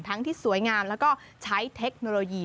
ที่สวยงามแล้วก็ใช้เทคโนโลยี